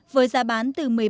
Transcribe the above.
với giá bán từ một mươi ba